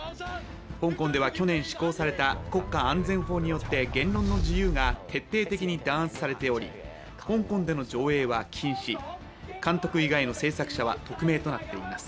香港では去年施行された国家安全法によって言論の自由が徹底的に弾圧されており香港での上映は禁止、監督以外の制作者は匿名となっています。